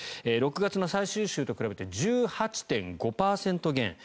６月の最終週と比べて１８．５％減。